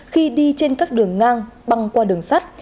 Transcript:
khi đi trên các đường ngang băng qua đường sắt